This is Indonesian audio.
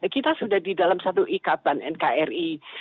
kita sudah di dalam satu ikatan nkri